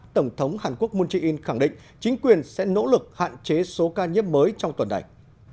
tổng thống hàn quốc moon jae in khẳng định chính quyền sẽ nỗ lực hạn chế số ca nhiễm mới trong tuần này